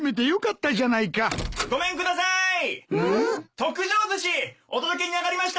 ・特上ずしお届けに上がりました！